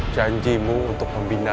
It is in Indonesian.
janjimu untuk membina